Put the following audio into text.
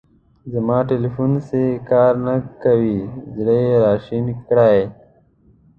زما تیلیفون سیی کار نه کوی. زړه یې را شین کړی.